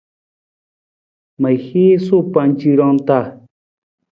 Ma hiisu pancirang ta.